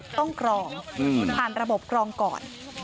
กรองผ่านระบบกรองก่อน